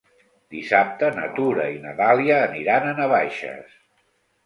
Dissabte na Tura i na Dàlia aniran a Navaixes.